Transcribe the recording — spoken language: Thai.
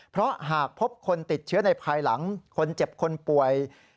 เพราะหากพบคนติดเชื้อในภายหลังคนเจ็บคนป่วย